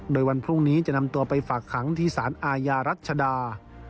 โดยวันพรุ่งนี้จะนำตัวไปฝากขังที่สารอาญารัชดา